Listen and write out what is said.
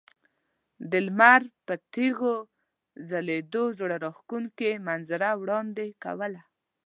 د لمر پر تیږو ځلیدو زړه راښکونکې منظره وړاندې کوله.